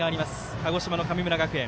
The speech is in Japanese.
鹿児島の神村学園。